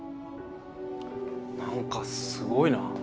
なんかすごいな。